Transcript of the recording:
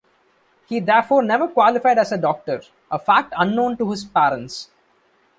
He therefore never qualified as a doctor, a fact unknown to his parents.